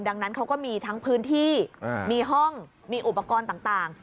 ดังนั้นเขาก็มีทั้งพื้นที่มีห้องมีอุปกรณ์ต่าง